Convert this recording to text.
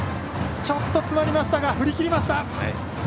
ちょっと詰まりましたが振りきりました。